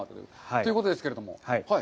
ということですけれども。